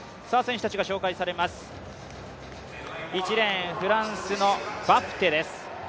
１レーン、フランスのバプテです。